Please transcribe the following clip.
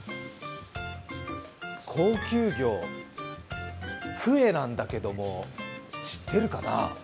高級魚、クエなんだけども、知ってるかな？